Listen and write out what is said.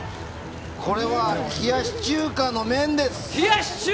これは冷やし中華の麺です。